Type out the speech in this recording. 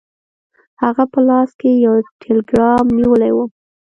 هغه په لاس کې یو ټیلګرام نیولی و.